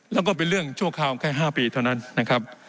แล้วก็เป็นเรื่องชั่วคราวแค่๕ปีเท่านั้นนะครับ